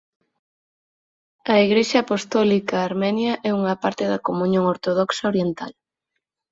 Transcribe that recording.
A Igrexa Apostólica Armenia é unha parte da comuñón ortodoxa oriental.